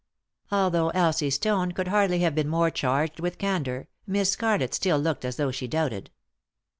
Although Elsie's tone could hardly have been more charged with candour, Miss Scarlett still looked as though she doubted.